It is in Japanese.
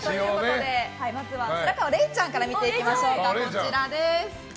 まずは白河れいちゃんから見ていきましょう。